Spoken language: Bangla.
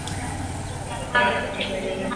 চা বানাতে-বানাতে ঠিক হয়ে যাবে।